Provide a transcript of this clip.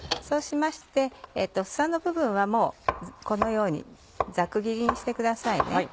そうしまして房の部分はこのようにざく切りにしてくださいね。